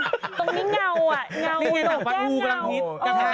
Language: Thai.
ตรงนี้เงาโดบแก้งเงา